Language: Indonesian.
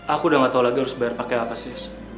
aku udah gak tau lagi harus bayar pakai apa sih